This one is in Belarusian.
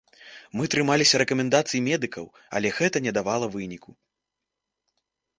Мы трымаліся рэкамендацый медыкаў, але гэта не давала выніку.